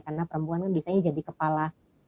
karena perempuan kan biasanya jadi kepala